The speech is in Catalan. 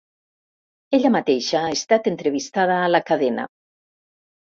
Ella mateixa ha estat entrevistada a la cadena.